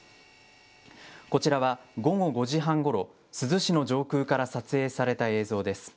こちらは、午後５時半ごろ、珠洲市の上空から撮影された映像です。